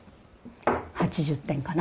８０点かな。